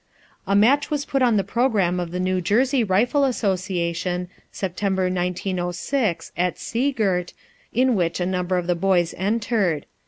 A match was put on the programme of the New Jersey Rifle Association, September, 1906, at Sea Girt, in which a number of the boys entered.